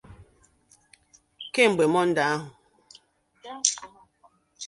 Kemgbe Mọndee ahụ